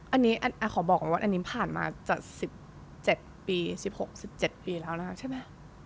อันนี้ขอบอกก่อนว่าอันนี้ผ่านมาจาก๑๗ปี๑๖๑๗ปีแล้วนะคะใช่ไหม